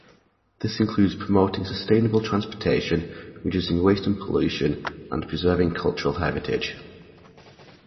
This includes promoting sustainable transportation, reducing waste and pollution, and preserving cultural heritage.